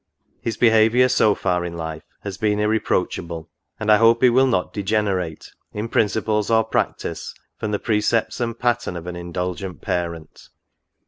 His behaviour, so far in life, has been irre proachable ; and I hope he will not degenerate, in principles or practice, from the precepts and pattern of an indulgent parent.